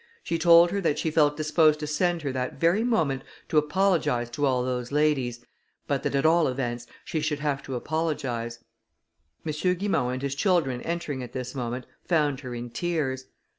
She told her that she felt disposed to send her that very moment to apologize to all those ladies, but that, at all events, she should have to apologize. M. Guimont and his children entering at this moment, found her in tears.